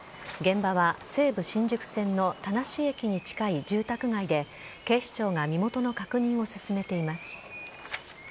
現場は西武新宿線の田無駅に近い住宅街で、警視庁が身元の確認を進めています。